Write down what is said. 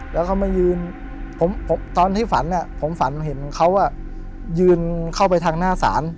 แล้วเขามายืนตอนที่ฝันผมฝันเห็นเขายืนเข้าไปทางหน้าศาล